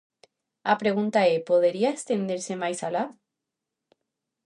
A pregunta é: podería estenderse máis alá?